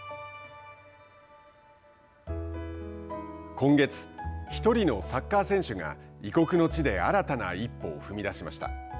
今月、１人のサッカー選手が異国の地で新たな１歩を踏み出しました。